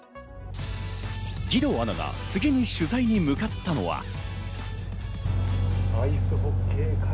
義堂アナが次に取材に向かったのは。